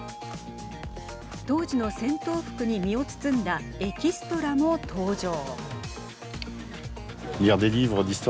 当時の戦闘服に身を包んだエキストラも登場。